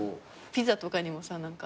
ピザとかにもさ。